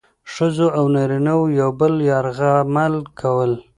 ښځو او نارینه وو یو بل یرغمل کول.